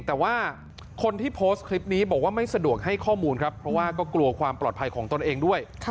แต่ว่าคนที่โพสต์คลิปนี้บอกว่าไม่สะดวกให้ข้อมูลครับเพราะว่าก็กลัวความปลอดภัยของตนเองด้วย